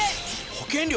保険料